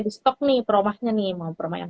di stok nih peromahnya nih mau peromah yang